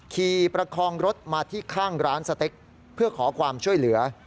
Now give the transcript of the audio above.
ประคองรถมาที่ข้างร้านสเต็กเพื่อขอความช่วยเหลือ